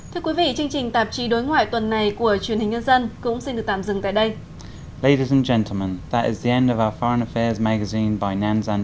thưa quý vị chương trình tạp chí đối ngoại tuần này của truyền hình nhân dân cũng xin được tạm dừng tại đây